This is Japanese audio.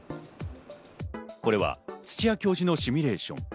これは土谷教授のシミュレーション。